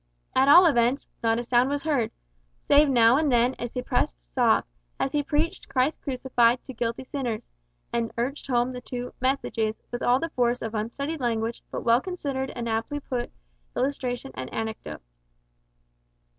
At all events, not a sound was heard, save now and then a suppressed sob, as he preached Christ crucified to guilty sinners, and urged home the two "messages" with all the force of unstudied language, but well considered and aptly put illustration and anecdote.